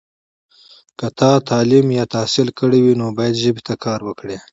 که تا تعلیم یا تحصیل کړی وي، نو باید ژبې ته کار وکړې.